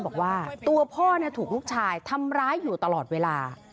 บอกว่าตัวพ่อถูกลูกชายทำร้ายอยู่ตลอดเวลา